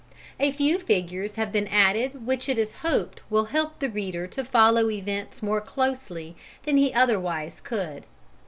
A few figures have been added which it is hoped will help the reader to follow events more closely than he otherwise could.